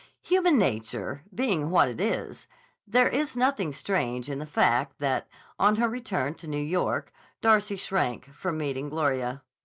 Human nature being what it is, there is nothing strange in the fact that, on her return to New York, Darcy shrank from meeting Gloria.